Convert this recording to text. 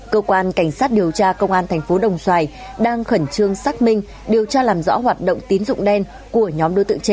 cơ quan cảnh sát điều tra công an thành phố đồng xoài đang khẩn trương xác minh điều tra làm rõ hoạt động tín dụng đen của nhóm đối tượng trên